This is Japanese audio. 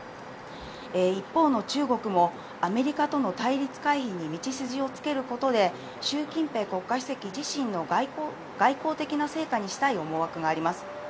一方の中国もアメリカとの対立回避に道筋をつけることで、シュウ・キンペイ国家主席自身の外交的な成果にしたい思惑があります。